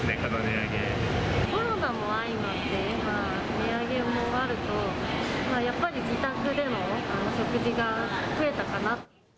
コロナも相まって、今、値上げもあると、やっぱり自宅での食事が増えたかな。